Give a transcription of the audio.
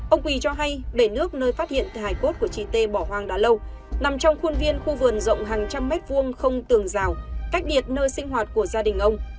ông quỳ cho hay bể nước nơi phát hiện thì hài cốt của chị tê bỏ hoang đã lâu nằm trong khuôn viên khu vườn rộng hàng trăm mét vuông không tường rào cách biệt nơi sinh hoạt của gia đình ông